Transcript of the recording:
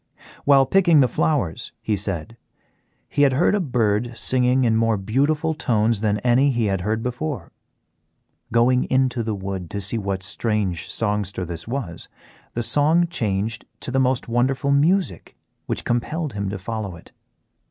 While picking the flowers, he said, he had heard a bird singing in more beautiful tones than any he had heard before. Going into the wood to see what strange songster this was, the sound changed to most wonderful music which compelled him to follow it.